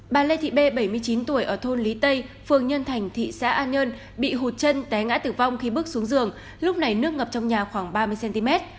bà lê thị b bảy mươi chín tuổi ở thôn lý tây phường nhân thành thị xã an nhơn bị hụt chân té ngã tử vong khi bước xuống giường lúc này nước ngập trong nhà khoảng ba mươi cm